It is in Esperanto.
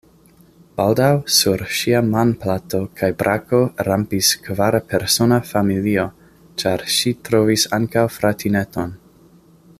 Baldaŭ sur ŝia manplato kaj brako rampis kvarpersona familio, ĉar ŝi trovis ankaŭ fratineton.